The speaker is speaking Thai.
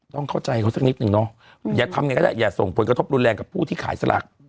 ต้องเข้าใจเขาสักนิดนึงเนาะอย่าทำไงก็ได้อย่าส่งผลกระทบรุนแรงกับผู้ที่ขายสลาก